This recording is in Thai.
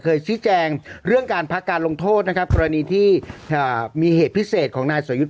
ชี้แจงเรื่องการพักการลงโทษนะครับกรณีที่มีเหตุพิเศษของนายสรยุทธ์